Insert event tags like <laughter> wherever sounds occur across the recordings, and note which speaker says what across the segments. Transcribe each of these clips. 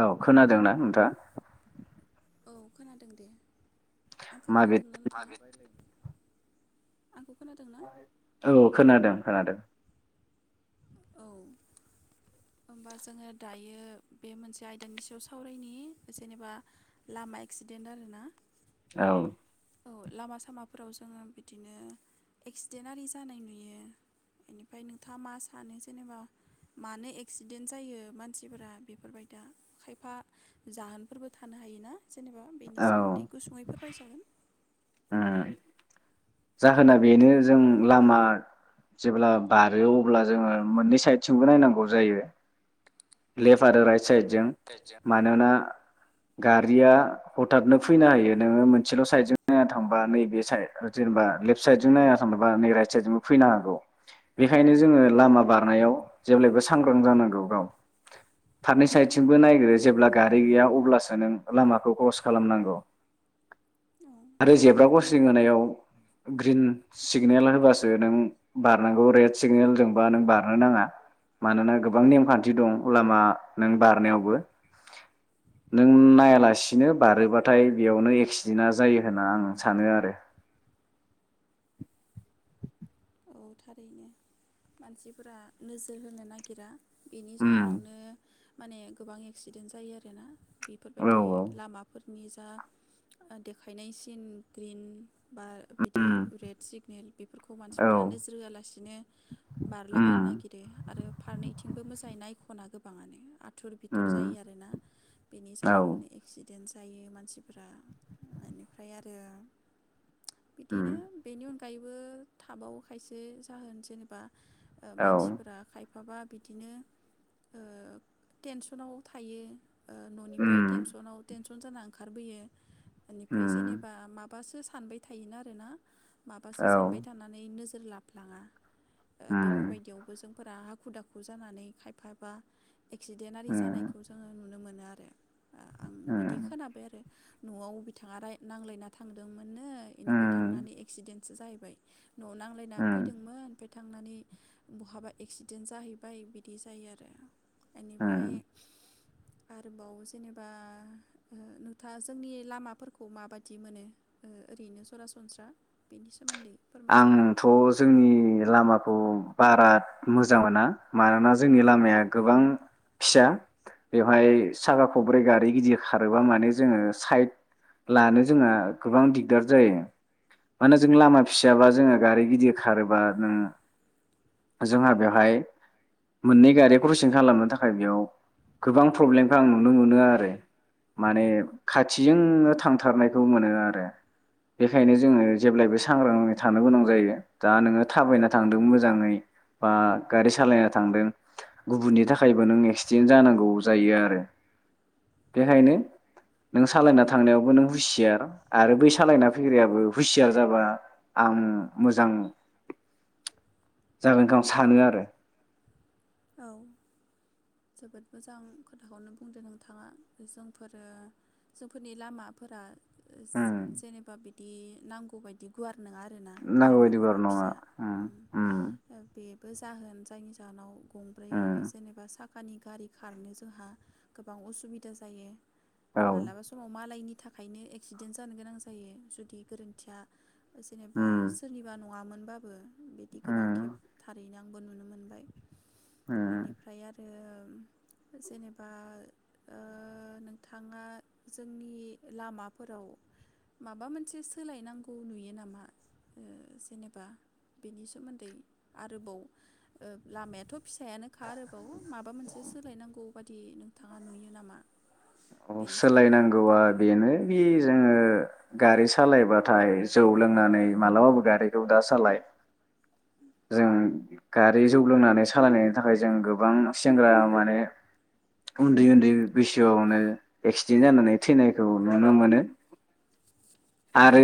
Speaker 1: औ खोनादोंना नोंथाङा?
Speaker 2: औ खोनादों दे। आंखौ
Speaker 1: माबे <unintelligible>
Speaker 2: खोनादोंना नोंथाङा
Speaker 1: रायलायनाय
Speaker 2: आंखौ खोनादों ना
Speaker 1: औ खोनादों-खोनादों
Speaker 2: औ होमबा जोङो दायो बे मोनसे आयदानि सायाव सावरायनायनि जेनेबा लामा एक्सिडेन्ट आरोना।
Speaker 1: औ
Speaker 2: औ लामा सामाफोराव जोङो बिदिनो एक्सिडेन्ट आरि जानाय नुयो बेनिफ्राय नोंथाङा मा सानो जेनेबा मानो एक्सिडेन्ट जायो मानसिफोरा बेफोरबायदिदिा खायफा जाहोनफोरबो थानो हायोना। जेनेबा बेनि
Speaker 1: औ
Speaker 2: सोमोन्दै गुसुङैफोर बायजागोन।
Speaker 1: जाहोना बेनो जों लामा जेब्ला बारो अब्ला जोङो मोननै साइडथिमबो नायनांगौ जायो लेफ्ट आरो राइट। स जं मानोना गारिया हथतनो फैनो हायो नोङो मोनसेल साइदजों। नाया थांबा नैबे साइ जेनेबा लेफ्ट साइडजों नाया थांबा नै राइट साइद जजोंबो फैनो हागौ बेनिखायनो जोङो लामा बारनायाव जेब्लायबो सांग्रां जानांगौ गाव फारनै साइडथिंबो नायग्रो जेब्ला गारि गैया अब्लासो नों लामाखौ क्रस खालामनांगौ।
Speaker 2: औ
Speaker 1: आरो जेब्रा गसिं होनायाव ग्रिन सिगनेल होबासो नों बारनांगौ रेड सिगनेलजोंबा नों बारनो नाङा मानोना गोबां नेमखान्थि दं लामा नों बारनायावबो नों नायालासिनो बारोबाथाय बेयावनो एक्सिडेन्टा जायो। होनना आं सानो आरो।
Speaker 2: औ थारैनो मानसिफोरा नोजोर होनो नागिरा। बेनि
Speaker 1: उम
Speaker 2: जाहोनावनो। माने गोबां एक्सिडेन्ट जायो आरोना।
Speaker 1: औ
Speaker 2: बेफोरबायदि लामाफोर निजा ओ देखायनायसिन ग्रिन बा बिदि रेड सिगनेल बेफोरखौ मानसि फोरा
Speaker 1: औ
Speaker 2: नोजोर होआलासिनो बारलाबायनो
Speaker 1: उम औ
Speaker 2: नागिरो आरो फारनैथिंबो मोजाङै नाय ख'ना गोबाङानो आ थुर बिथिुर जायो
Speaker 1: उम
Speaker 2: आरोना बेनि
Speaker 1: उम औ
Speaker 2: जाहोनावनो एक्सिडेन्ट जायो मानसिफोरा इनिफ्राय आरो
Speaker 1: उम
Speaker 2: बिदिनो बेनि अन गायैबो थाबावो खायसे जाहोन जेनेबा ओ
Speaker 1: औ
Speaker 2: मानसिफोरा खाय फाबा बिदिनो ओ टेनसनाव थायो ओ न'निफ्राय
Speaker 1: उम
Speaker 2: टेनसनाव टेन सन जाना ओंखारबोयो इनिफ्राय
Speaker 1: उम
Speaker 2: जेनेबा माबासो सा सानबाय थायोना आरोना। माबासो
Speaker 1: औ
Speaker 2: सानबाय थानानै नो जोर लाफलाङा। ओ
Speaker 1: उम
Speaker 2: बेफोरबायदियावबो जों फोरा हाखु दाखु जानानै खायफाबा एक्सिडेन्ट आरि
Speaker 1: उम
Speaker 2: जानायखौ जोङो नुनो मोनो। ओ आं बिदि
Speaker 1: उम
Speaker 2: खोनाबाय आरो। न'आव बिथाङा राय नांलायना थांदों नो इनिफ्राय
Speaker 1: उम
Speaker 2: थांनानै एक्सिडेन्ट सो जाहैबाय न'आव <unintelligible> लायना
Speaker 1: उम
Speaker 2: फैदोंमोन ओमफ्राय थांनानै बहाबा एक्सिडेन्ट जाहैबाय बिदि जायो आरो। इनिफ्राय
Speaker 1: उम
Speaker 2: आरोबाव जेनेबा ओ नोंथाङा जोंनि लामाफोरखौ माबादि मोनो? ओ ओरैनो सरासनस्रा बेनि सोमोन्दै फोरमायजागोन
Speaker 1: आंथ' जोंनि लामाखौ बारा मोजां मोना मानोना जोंनि लामाया गोबां फिसा बेवहाय साखा खब्रै गारि गिदिर खारोबा माने जोङो साइद लानो जोंहा गोबां दिगदार जायो मानोना जों लामा फिसाबा जोङो गारि गिदिर खारोबा जोंहा बेवहाय मोननै गारि क्रसिं खालामनो थाखाय बेयाव गोबां प्रब्लेमखो आं नुनो मोनो आरो माने खाथिजोंनो थांथारनायखौ मोनो आरो बेखायनो जोङो जेब्लायबो सांग्राङै थानो गोनां जायो दा नोङो थाबायना थांदों मोजाङै बा गारि सालायना थांदों गुबुननि थाखायबो नों एक्सिडेन्ट जानांगौ जायो आरो बेखायनो नों सालायना थांनायावबो नों हुसियार आरो बै सालायना फैग्रायाबो हुसियार जाबा आं मोजां जागोनखौ आं सानो आरो।
Speaker 2: औ जोबोद मोजां खोथाखौनो बुंदो नोंथाङा जोंफोरो जोंफोरनि लामाफोरा।
Speaker 1: उम
Speaker 2: जेनेबा बे दि नांगौबायदि गुवार। नोङा आरोना
Speaker 1: नांगौ बायदिबो
Speaker 2: लामाफोरा
Speaker 1: आरो नङा
Speaker 2: फिसा उम बे बे जाहोन जायनि जाहोनाव। गंब्रै
Speaker 1: उम
Speaker 2: जेनेबा सा खानि गारि खारनो जोंहा गोबां असुबिदा जायो।
Speaker 1: औ
Speaker 2: मालाबा समाव मालायनि। थाखायनो एक्सिडेन्ट जानो गोनां जायो जुदि गोरोन्थिया। जेनेबा
Speaker 1: उम
Speaker 2: सोरनिबा नङामोन। बाबो। बिदि गोबां
Speaker 1: उम
Speaker 2: खेब थारैना बो नुनो मोनबाय।
Speaker 1: उम
Speaker 2: बेनिफ्राय आरो उम जेनेबा ओ नोंथाङा जोंनि लामाफोराव माबा मोनसे सोलायनांगौ नुयो नामा ओ जेनेबा बेनि सोमोन्दै आरोबाव ओ लामाया। फिसायानो खा आरोबाव माबा मोनसे सोलायनांगौ। बादि नोंथाङा नुयो नामा
Speaker 1: <inaudible> औ
Speaker 2: बेनि सोमोन्दै
Speaker 1: सोलायनांगौवा
Speaker 2: फोरमायगोन
Speaker 1: बेनो बि जोङो गारि सालायबाथाय जौ लोंनानै मालाबाबो गारिखौ दा सालाय। जों गारि जौ लोंनानै सालायनायनि थाखाय जों गोबां सेंग्रा माने उन्दै उन्दै बैसोआवनो एक्सिडेन्ट जानानै थैनायखौ नुनो मोनो आरो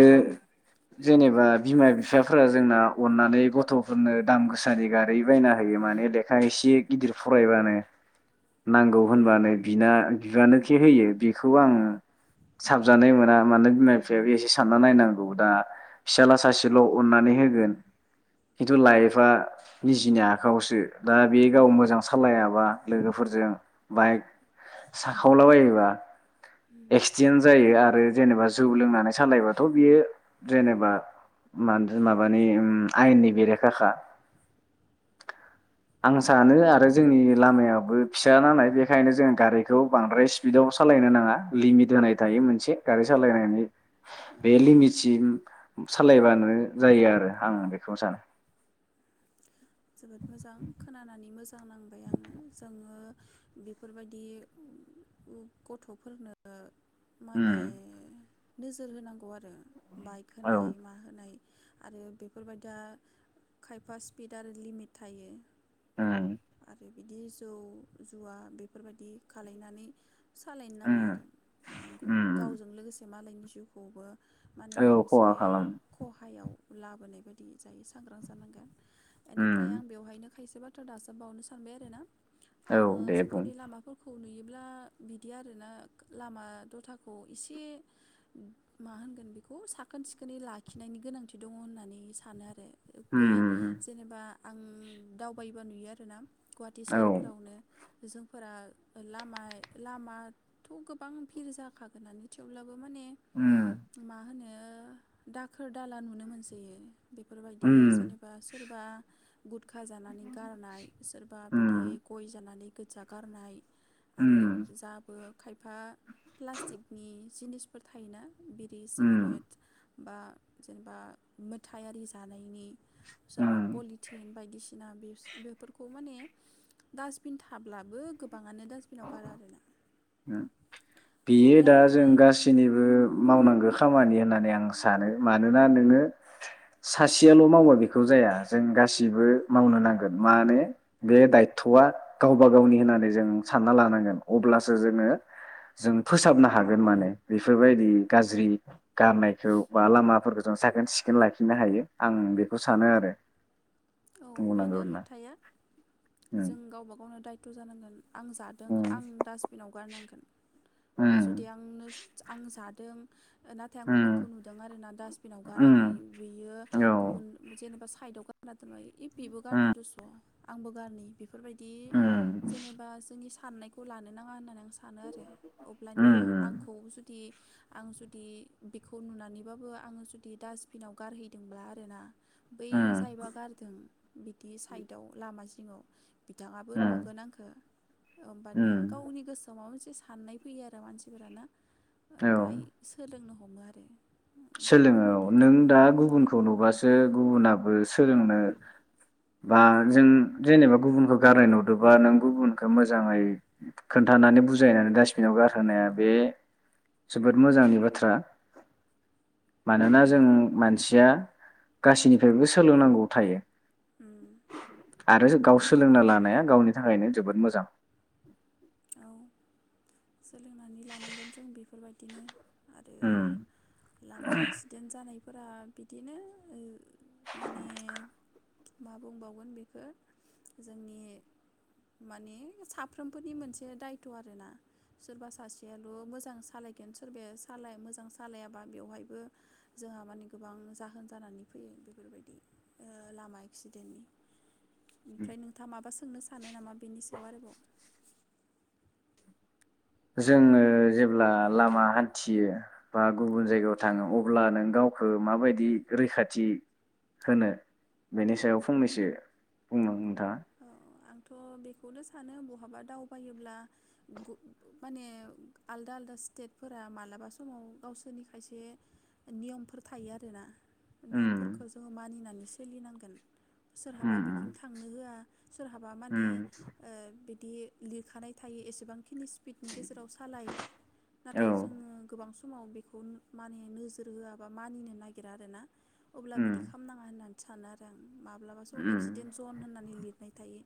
Speaker 1: जेनेबा बिमा बिफाफोरा जोंना अननानै गथ'। फोरनो दाम गोसानि गारै बायना होयो माने लेखा इसे गिदिर फरायबानो। नांगौ
Speaker 2: उम
Speaker 1: होनबानो बिना। बिबानोखि होयो बेखौ आं साबजानाय मोना मानो बिमा बिफायाबो एसे सानना नायनांगौ दा फिसाजला सासेल' अननानै होगोन। खिन्थु लाइफआ निजिनि आखावसो दा बे गाव मोजां सालायाबा लोगोफोरजों बाइक साखावलाबायोबा
Speaker 2: उम
Speaker 1: एक्सिडन्ट जायो आरो जेनेबा जौ लोंनानै सालायबाथ' बियो जेनेबा मानथो माबानो इयो उम आयेननि बेरेखाखा आं सानो आरो जोंनि लामायाबो फिसा नालाय बेखायनो जों गारिखौ बांद्राय स्पिदाव सालायनो नाङा लिमिट होनाय थायो मोनसे गारि सालायनायनि
Speaker 2: औ
Speaker 1: बे लिमितसिम सालायबानो जायो आरो आं बेखौनो सानो
Speaker 2: जोबोद मोजां खोनानानै मोजां नांबाय आङो जोङो बेफोरबायदि <unintelligible> गथ'फोरनो माने
Speaker 1: उम
Speaker 2: ओ नोजोर होनांगौ आर रो बाइक
Speaker 1: औ
Speaker 2: होनाय मा होनाय आरो बेफोरबायदिया खायफा स्पिड दार लिमिट थायो
Speaker 1: उम
Speaker 2: आरो इदि जौ जुवा बेफोरबायदि खालायनानै सालायनो नाङा
Speaker 1: उम
Speaker 2: आरो नंगौ
Speaker 1: उम
Speaker 2: गावजों लोगोसे मालायनि जिउखौबो माने
Speaker 1: औ
Speaker 2: मोनसे
Speaker 1: खहा खालामो
Speaker 2: खहायाव लाबोनाय बायदि जायो सांग्रां जानांगोन एनिफ्राय
Speaker 1: उम
Speaker 2: आं बेवहायनो खायसे बाथ्रा दास बावनो सानबाय आरो ना
Speaker 1: औ
Speaker 2: आङो
Speaker 1: दे बुं
Speaker 2: जोंफोरनि लामाफोरखौ नुयोब ब्ला बिदि आरोना लामा द'थाखौ एसे मा होनगोन बेखौ साखोन- सिखोनै लाखिनायनि गोनांथि दङ' होननानै सानो आरो <unintelligible> बे
Speaker 1: उम उम
Speaker 2: जेनेबा आं दावबायबा नुयो आर <unintelligible> गुवाहाटि
Speaker 1: औ
Speaker 2: सोहोरफ्रावनो जोंफोरा लामाय लामाथ' गोबां भिर जाखागोनानो थेवब्लाब बो माने
Speaker 1: उम
Speaker 2: माहोनो ओ दाखोर- दाला नुनो मोनसोयो बेफोरबायदि
Speaker 1: उम
Speaker 2: जेनेबा सोरबा गुदखा जानानै गारनाय सोरबा बिदि
Speaker 1: उम
Speaker 2: गय जान नानै गोदजा गारनाय आरो
Speaker 1: उम
Speaker 2: जाबो खायफा प्लास्टिकनि जिनिसफोर थायोना। बिरि
Speaker 1: उम
Speaker 2: सिगारेट बा जेनेबा मोथायारि जानायनि। सोरबा
Speaker 1: उम
Speaker 2: पलिथिन बायदिसिना बेफोरखौ बेखौ माने डासबिन थाब्लाबो गोबाङानो डास्बिनाव गारा आरो ना।
Speaker 1: बेयो दा जों गासैनिबो मावनां- गो खामानि होन्नानै आं सानो मानोना नोङो सासेयाल' मावबा बेखौ जाया जों गासिबो मावनो नांगोन मानो बे दायथ'आ गावबा गावनि होनानै जों सान्ना लानांगोन अब्ला। सो जोङो जों फोसाबनो हागोन माने बेफोरबायदि गाज्रि गारनायखौ बा लामाफोरखौ जों साखोन सिखोन लाखिनो हायो आं बेखौ सानो आरो।
Speaker 2: औ
Speaker 1: बुंनांगौ
Speaker 2: बेनो
Speaker 1: होनना
Speaker 2: खोथाया
Speaker 1: उम
Speaker 2: जों गावबा गावनो दाय <inaudible> खस्थ' जानांगोन। आं जादों
Speaker 1: उम
Speaker 2: आं डास्टबिनाव गारनांगोन
Speaker 1: उम
Speaker 2: जुदि आंनो आं जादों। नाथाय आं गुबुनखौ नुदों आरोना डास्टबिनाव
Speaker 1: उम
Speaker 2: गाराखै बेयो
Speaker 1: औ
Speaker 2: गुबुन जेनेबा। खायद'ग इ पिब गारद
Speaker 1: उम
Speaker 2: दस' आंबो गारन बेफोरबायदि
Speaker 1: उम
Speaker 2: जेनेबा जोंनि हाननायखौ लानो नाङा होननानै। सानो आरो
Speaker 1: उम
Speaker 2: अब्लानिया आंखौ जुदि आं जुदि बेखौ नुनानैबाबो आङो जुदि डास्टबिनाव गारहैदोंब्ला आरोना। बै
Speaker 1: उम
Speaker 2: जायबा गारदों बिदि साइदाव लामा। सिङाव बिथाङाबो
Speaker 1: उम
Speaker 2: नुगोन आंखौ। हबानिया
Speaker 1: उम
Speaker 2: गावनि गोसोआव माबा मोनसे। एसे साननाय फैयो आरो मानसिफोराना। ओमफ्राय सोलोंनो ह हमो आरो।
Speaker 1: सोलोङ औ
Speaker 2: बेफोरबायदि खा
Speaker 1: नों
Speaker 2: ओ
Speaker 1: दा गुबुनखौ
Speaker 2: खालायब्ला
Speaker 1: नुबासो गुबुनाबो स सोलोंनो बा जों जेनेबा गुबुनखौ गारनाय नुदोंबा नों गुबुनखौ मोजाङै खोन्थानानै बुजायनानै डास्बिनाव गारहोनाया बे जोबोद मोजांनि बाथ्रा। मानोना जों मानसिया गासै निफ्रायबो सोलोंनांगौ थायो।
Speaker 2: उम।
Speaker 1: आरो गाव सोलोंना लानाया गावनि थाखायनो जोबोद मोजां।
Speaker 2: औ सोलोंनानै लानांगोन जों बेफोर बायदिनो आरो
Speaker 1: उम
Speaker 2: लामा एक्सिडेन्ट जानाय फोरा बिदिनो माने मा बुंबावगोन बेखौ जोंनि माने साफ्रोम फोरनि मोनसे दायथ' आरो ना सोरबा सासेयाल' मोजां सालायगोन, सोरबाया साल मोजां सालायाबा बेवहायबो जोंहा माने गोबां जाहोन जानानै फैयो, बेफोर बायदि ओ लामा एक्सिडेन्टनि। ओमफ्राय नोंथाङा माबा सोंनो सानो नामा बेनि सायाव आरोबाव?
Speaker 1: जोङो जेब्ला लामा हान्थियो बा गुबुन जायगायाव
Speaker 2: औ
Speaker 1: थाङो अब्ला नों गावखौ माबायदि रैखाथि होनो बेनि सायाव फंनैसो बुंनो नोंथाङा?
Speaker 2: आंथ' बेखौनो सानो बहाबा दावबायोब्ला गुब माने आलदा आलदा स्टेट फोरा मालाबा समाव गावसोरनि खायसे नियम फोर थायो आरोना नियम फोरखौ
Speaker 1: उम
Speaker 2: जोङो मानिनानै सोलिनांगोन। सोरहाबा
Speaker 1: उम उम
Speaker 2: बिथिं थांनो होआ सोरहाबा माने
Speaker 1: उम
Speaker 2: ओ बि दि लिरखानाय थायो एसेबां खिनि स्पिडनि गेजेराव सालाय।
Speaker 1: औ
Speaker 2: नाथाय जोङो गोबां समाव बेखौ माने नोजोर होआबा मानिनो नागिरा आरो ना। अब्ला बिदि
Speaker 1: उम
Speaker 2: खामनाङा होनना नै सानो आरो आं। माब्लाबा समाव
Speaker 1: उम
Speaker 2: एक्सिडेन्ट जन होननानै लिर थायो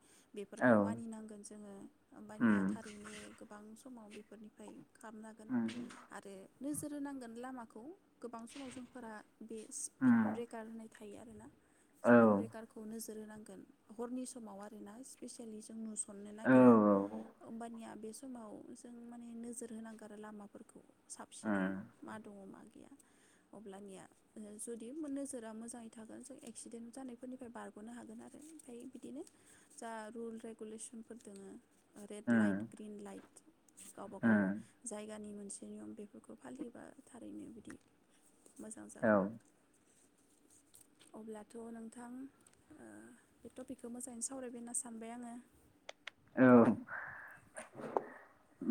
Speaker 1: औ
Speaker 2: बेफोरखौ मानि नांगोन जोङो ओमबानिया
Speaker 1: उम
Speaker 2: थारैनो गोबां समाव बेफोर निफ्राय खामनागोन
Speaker 1: उम
Speaker 2: आरो नोजोर होनांगोन लामाखौ। गोबां समाव जों फोरा बे स्पिड
Speaker 1: उम
Speaker 2: ब्रेकार हो थायो आरो ना।
Speaker 1: औ
Speaker 2: स्पिड ब्रेकार खौनो होनांगोन हरनि सम समाव आरो ना स्पेसियेलि जों नु सननो
Speaker 1: औ
Speaker 2: नागिरा
Speaker 1: उम
Speaker 2: ओमबानिया बे समाव जों माने नोजोर होनांगो आरो लामा फोरखौ साबसिनै मा दङ' मा गैया अब्लानिया ओ जुदि नोजोरा मोजाङै थागोन जों एक्सिडेन्ट जानायफोरनिफ्राय बारग'नो हागोन आरो ओमफाय बिदिनो। जा रुल रेगुलेसनफोर दोङो रेड लाइट
Speaker 1: उम
Speaker 2: ग्रिन लाइट गावबा गाव
Speaker 1: उम
Speaker 2: जायगानि मोन जे नियम बेफोरखौ फालियोबा थारैनो बिदि मोजां
Speaker 1: औ
Speaker 2: जागोन। अब्लाथ' नोंथां ओ बे टपिकखौ मोजाङै सा वरायबाय होनना सानबाय आङो।
Speaker 1: औ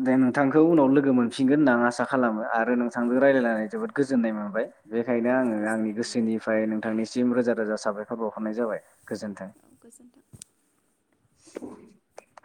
Speaker 1: दे नोंथांखौ उनाव लोगो मोनफिनगोन होनना आं आसा खालामो आ रो
Speaker 2: औ
Speaker 1: नोंथांजों रायलायनानै जोबोद गो जोननाय मोनबाय। बेखायनो आङो आंनि
Speaker 2: गोजोननाय मोनबाय
Speaker 1: गोसोनिफ्राय नोंथांनि सिम रोजा रोजा साबायखर बावहरनाय जाबाय। गोजोन्थों।
Speaker 2: औ गोजोन्थों
Speaker 1: <inaudible>